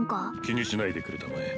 気にしないでくれたまえ